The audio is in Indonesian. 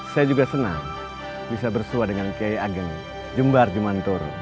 saya juga senang bisa bersuatu dengan kiai agen jumbar jumantur